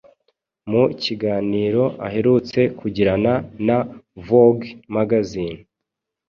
mu kiganiro aherutse kugirana na Vogue Magazine